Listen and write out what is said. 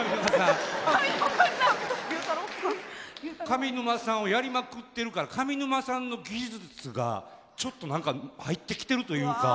上沼さんをやりまくってるから上沼さんの技術がちょっと何か入ってきてるというか。